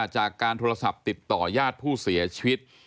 จากการโทรศัพท์ติดต่อญาติผู้เสียชีวิต